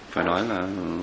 phải nói là